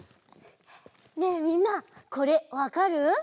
ねえみんなこれわかる？